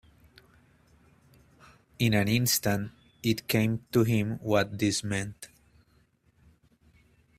In an instant it came to him what this meant.